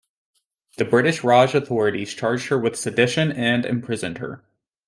The British Raj authorities charged her with sedition and imprisoned her.